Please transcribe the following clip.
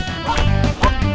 pukul dia datuk